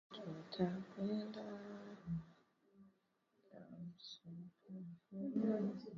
Pamoja na sehemu nyingine za dunia kupitia ukurasa wetu wa mtandao wa kijamii